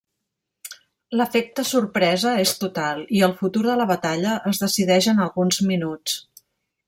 L'efecte sorpresa és total i el futur de la batalla es decideix en alguns minuts.